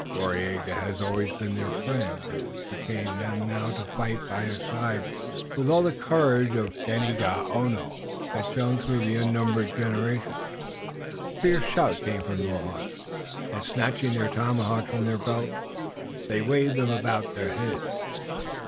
Waraiyageh had always been their friend, and it became them now to fight by his side with all the courage the Ganeagaono had shown through unnumbered generations. A fierce shout came from the Mohawks, and, snatching their tomahawks from their belts, they waved them about their heads.